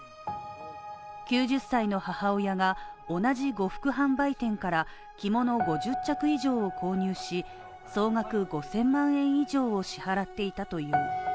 ９０歳の母親が同じ呉服販売店から着物５０着以上を購入し、総額５０００万円以上を支払っていたという。